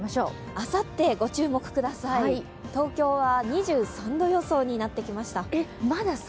あさってご注目ください、東京は２３度予想になってきました。